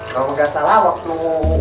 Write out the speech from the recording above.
kamu gak salah waktu